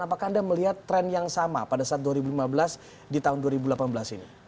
apakah anda melihat tren yang sama pada saat dua ribu lima belas di tahun dua ribu delapan belas ini